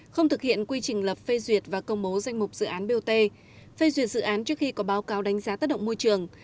không thực hiện quy trình lập phê duyệt và công bố danh mục dự án bot phê duyệt dự án trước khi có báo cáo đánh giá tác động môi trường